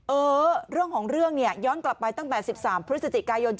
เออเรื่องของเรื่องเนี่ยย้อนกลับไปตั้งแต่๑๓พฤศจิกายน